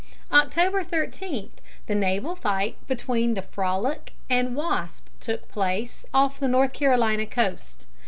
October 13, the naval fight between the Frolic and Wasp took place, off the North Carolina coast.